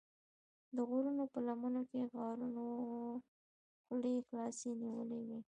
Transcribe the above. د غرونو په لمنو کې غارونو خولې خلاصې نیولې وې.